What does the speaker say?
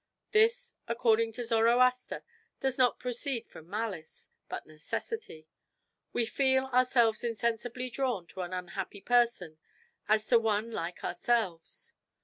This, according to Zoroaster, does not proceed from malice, but necessity. We feel ourselves insensibly drawn to an unhappy person as to one like ourselves.